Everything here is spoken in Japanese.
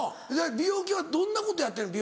美容系はどんなことやってるの？